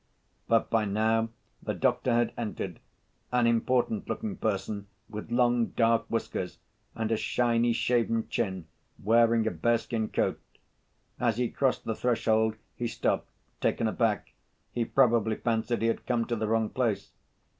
But by now the doctor had entered, an important‐looking person with long, dark whiskers and a shiny, shaven chin, wearing a bearskin coat. As he crossed the threshold he stopped, taken aback; he probably fancied he had come to the wrong place.